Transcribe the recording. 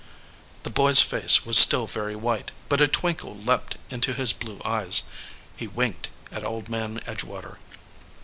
The boy s face was still very white, but a twin kle leaped into his blue eyes. He winked at Old Man Edgewater.